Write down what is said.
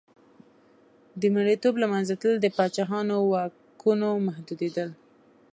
د مریتوب له منځه تلل د پاچاهانو واکونو محدودېدل.